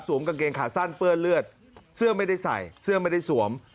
กางเกงขาสั้นเปื้อนเลือดเสื้อไม่ได้ใส่เสื้อไม่ได้สวม